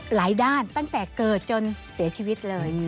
หลายด้านตั้งแต่เกิดจนเสียชีวิตเลย